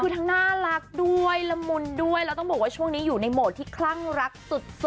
คือทั้งน่ารักด้วยละมุนด้วยแล้วต้องบอกว่าช่วงนี้อยู่ในโหมดที่คลั่งรักสุด